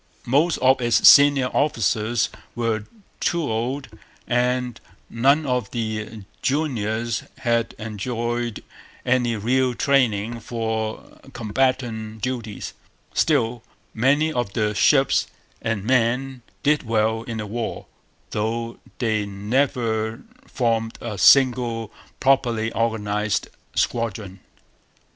Most of its senior officers were too old; and none of the juniors had enjoyed any real training for combatant duties. Still, many of the ships and men did well in the war, though they never formed a single properly organized squadron.